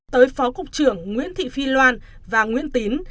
tới phó cục trưởng nguyễn thị phi loan và nguyễn tín